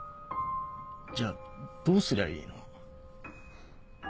じゃあどうすりゃいいの？